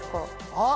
あっ！